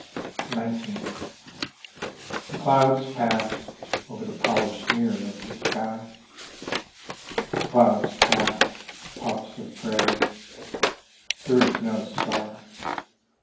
XIX The clouds pass Over the polished mirror of the sky: The clouds pass, puffs of grey, There is no star.